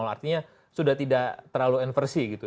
artinya sudah tidak terlalu enversi gitu